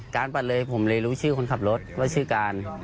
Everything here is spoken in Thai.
ปัดเลยผมเลยรู้ชื่อคนขับรถว่าชื่อการ